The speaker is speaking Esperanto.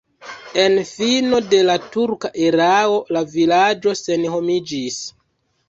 En fino de la turka erao la vilaĝo senhomiĝis.